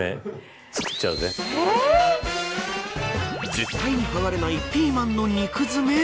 絶対に剥がれないピーマンの肉詰め。